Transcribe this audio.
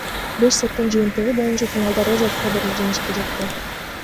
Беш сеттин жыйынтыгы боюнча финалда Рожер Федерер жеңишке жетти.